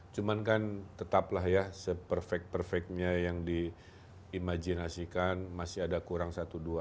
cuman kan tetaplah ya se perfect perfectnya yang di imajinasikan masih ada kurang satu dua